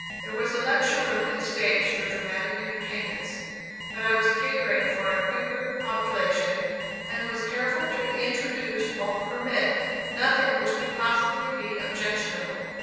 There was a lecture room and stage for dramatic entertainments; but I was catering for a Quaker population, and was careful to introduce or permit nothing which could possibly be objectionable.